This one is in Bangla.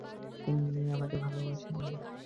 সহসা রামচন্দ্র রায়ের প্রাণ যেন কেমন চমকিয়া উঠিল।